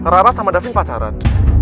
rara sama davin pacaran